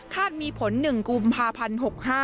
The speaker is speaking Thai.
มีผล๑กุมภาพันธ์๖๕